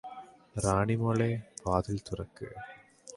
റാണി മോളെ വാതിൽ തുറക്ക്